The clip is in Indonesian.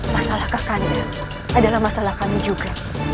masalah kak kanda adalah masalah kami juga